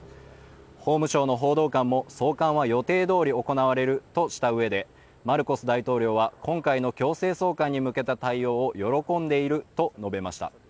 法務相の報道官も送還は予定どおり行われるとしたうえでマルコス大統領は、今回の強制送還に向けた対応を喜んでいると述べました。